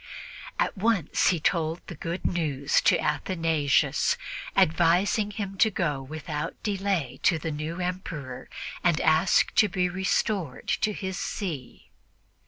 At once he told the good news to Athanasius, advising him to go without delay to the new Emperor and ask to be restored to his see.